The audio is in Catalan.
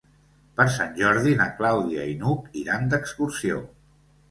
Per Sant Jordi na Clàudia i n'Hug iran d'excursió.